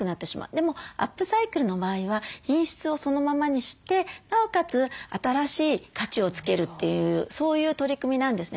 でもアップサイクルの場合は品質をそのままにしてなおかつ新しい価値を付けるというそういう取り組みなんですね。